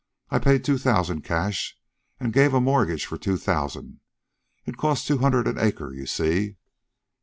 I paid two thousand cash, and gave a mortgage for two thousand. It cost two hundred an acre, you see."